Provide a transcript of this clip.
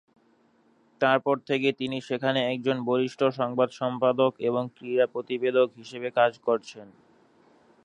তার পর থেকে তিনি সেখানে একজন বরিষ্ঠ সংবাদ সম্পাদক এবং ক্রীড়া প্রতিবেদক হিসেবে কাজ করছেন।